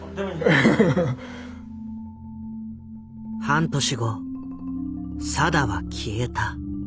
半年後定は消えた。